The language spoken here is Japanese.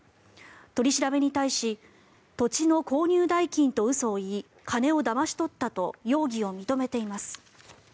取り調べに対し土地の購入代金と嘘を言い金をだまし取ったと容疑を認めています。